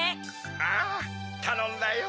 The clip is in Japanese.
ああたのんだよ。